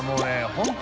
本当